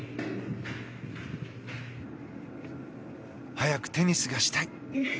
早くテニスがしたい。